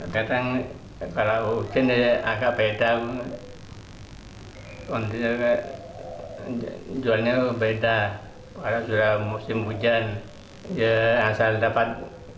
kadang kalau gini agak beda untuk jualnya beda pada musim hujan ya asal dapat